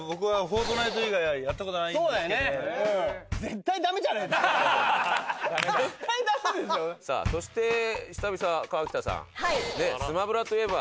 はい。